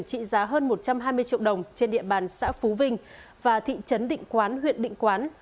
trị giá hơn một trăm hai mươi triệu đồng trên địa bàn xã phú vinh và thị trấn định quán huyện định quán